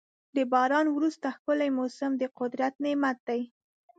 د باران وروسته ښکلی موسم د قدرت نعمت دی.